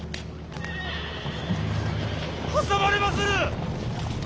挟まれまする！